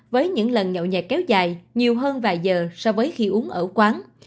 với những lần nhậu nhạc kéo dài nhiều hơn vài giờ so với khi uống ở quán